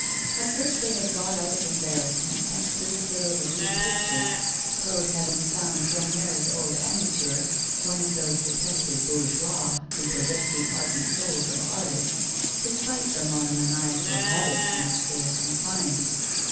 At first they had got out of embarrassment, thanks to the sale of a few pictures, Claude having found Gagnière's old amateur, one of those detested bourgeois who possess the ardent souls of artists, despite the monomaniacal habits in which they are confined.